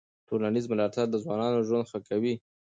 ټولنیز ملاتړ د ځوانانو ژوند ښه کوي.